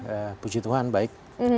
baik puji tuhan baik